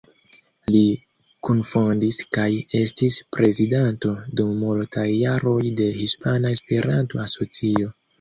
Li kunfondis kaj estis prezidanto dum multaj jaroj de Hispana Esperanto-Asocio.